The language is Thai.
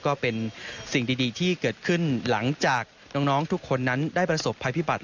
ก็เป็นสิ่งดีที่เกิดขึ้นหลังจากน้องทุกคนนั้นได้ประสบภัยพิบัติ